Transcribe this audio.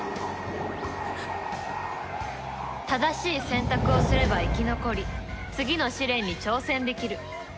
正しい選択をすれば生き残り次の試練に挑戦できる。